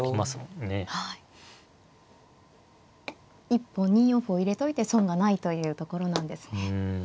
一本２四歩を入れておいて損がないというところなんですね。